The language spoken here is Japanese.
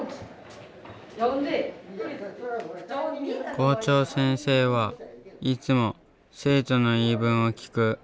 校長先生はいつも生徒の言い分を聞く。